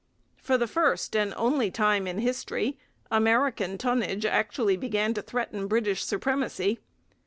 For the first and only time in history American tonnage actually began to threaten British supremacy.